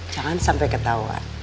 jangan sampe ketawa